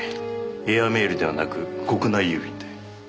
エアメールではなく国内郵便で。